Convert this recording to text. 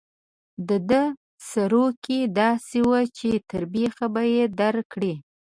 د ده سروکي داسې وو چې تر بېخه به یې درکړي.